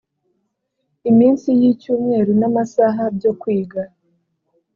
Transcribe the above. iminsi y icyumweru n amasaha byo kwiga